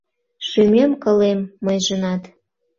Шӱмем-кылем мыйжынат